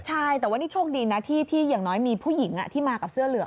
ใช่แต่ว่านี่โชคดีนะที่อย่างน้อยมีผู้หญิงที่มากับเสื้อเหลือง